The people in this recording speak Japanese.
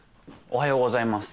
おめでとうございます！